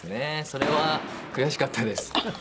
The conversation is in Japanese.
それは悔しかったです。